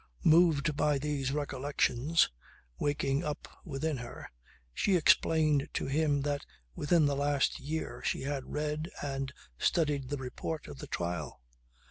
Moved by these recollections waking up within her, she explained to him that within the last year she had read and studied the report of the trial.